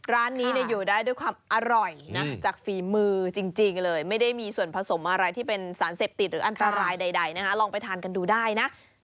ร้านนี้อยู่ได้ด้วยความอร่อยนะจากฝีมือจริงเลยไม่ได้มีส่วนผสมอะไรที่เป็นสารเสพติดหรืออันตรายใดนะคะลองไปทานกันดูได้นะ